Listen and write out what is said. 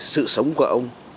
sự sống của ông